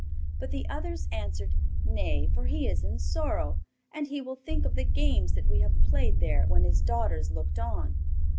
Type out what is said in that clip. But the others answered: 'Nay, for he is in sorrow, and he will think of the games that we have played there when his daughters looked on.